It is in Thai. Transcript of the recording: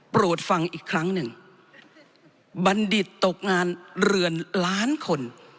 โปรดฟังอีกครั้งหนึ่งบัณฑิตตกงานเรือนล้านคน